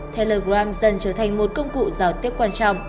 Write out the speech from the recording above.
telegram dần trở thành một công cụ giao tiếp quan trọng